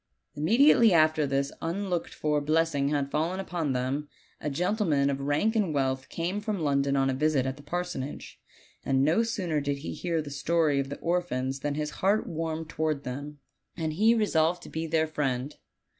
Immediately after this unlooked for blessing had fallen upon them, a gentleman of rank and wealth came from London on a visit at the parsonage; and no sooner did he hear the story of the orphans than his heart warmed toward them, and he resolved to be their friend.